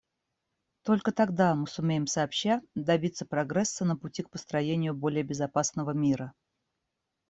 Только тогда мы сумеем сообща добиться прогресса на пути к построению более безопасного мира.